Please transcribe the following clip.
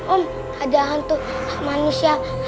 om ada hantu manusia